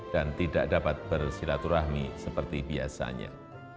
dan tidak dapat bersilaturahmi seperti biasanya